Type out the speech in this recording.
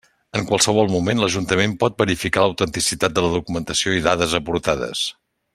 En qualsevol moment l'Ajuntament pot verificar l'autenticitat de la documentació i dades aportades.